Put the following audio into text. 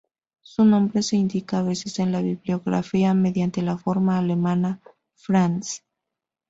Su nombre se indica a veces en la bibliografía mediante la forma alemana; "Franz".